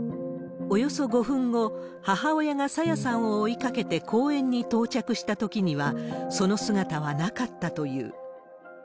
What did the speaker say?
およそ５分後、母親が朝芽さんを追いかけて公園に到着したときには、その姿はなかったという。